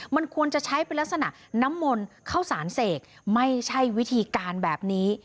มันควรจะใช้เป็นลักษณะน้ำมนต์เข้าสารเสกไม่ใช่วิธีการแบบนี้